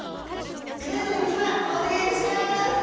クルーの皆様お願いいたします！